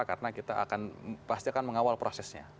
karena kita akan pastikan mengawal prosesnya